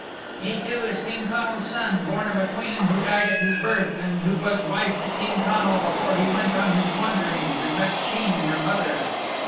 "He too is King Connal's son, born of a queen who died at his birth and who was wife to King Connal before he went on his wanderings and met Sheen your mother."